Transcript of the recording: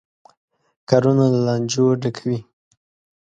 کارونه له لانجو ډکوي.